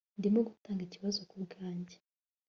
Ndimo gutanga ikibazo kubwanjye